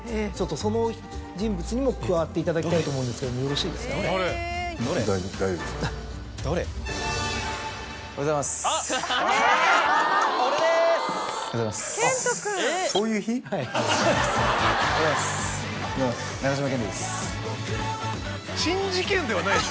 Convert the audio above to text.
そうですおはようございます。